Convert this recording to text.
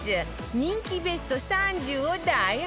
人気ベスト３０を大発表